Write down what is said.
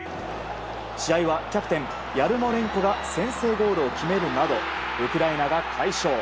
試合はキャプテンヤルモレンコが先制点を決めるなど先制ゴールを決めるなどウクライナが快勝。